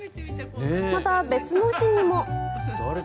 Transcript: また、別の日にも。